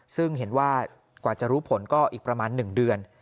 ซึ่งเห็นว่ากว่าจะรู้ผลก็อีกประมาณ๑เดือน